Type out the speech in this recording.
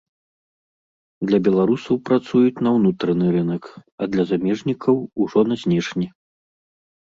Для беларусаў працуюць на ўнутраны рынак, а для замежнікаў ужо на знешні.